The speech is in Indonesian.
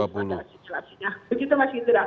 begitu mas gita